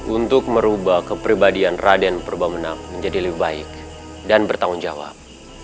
untuk merubah kepribadian raden purbamenang menjadi lebih baik dan bertanggung jawab